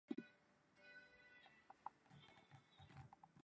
His son is the famous comic cartoonist Enrique Breccia.